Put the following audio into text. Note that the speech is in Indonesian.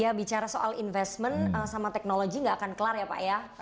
ya bicara soal investment sama teknologi nggak akan kelar ya pak ya